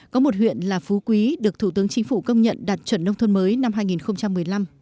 có một huyện là phú quý được thủ tướng chính phủ công nhận đạt chuẩn nông thôn mới năm hai nghìn một mươi năm